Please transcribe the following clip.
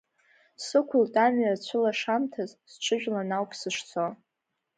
Сықәылт амҩа ацәылашамҭаз, сҽыжәлан ауп сышцо.